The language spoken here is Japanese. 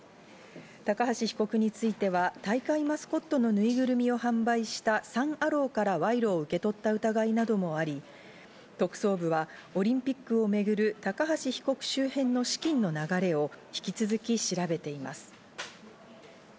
高橋被告については大会マスコットのぬいぐるみを販売したサン・アローから賄賂を受け取った疑いなどもあり、特捜部はオリンピックをめぐる高橋被告周辺の資金の流れを引き続き、調べています。